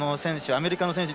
アメリカの選手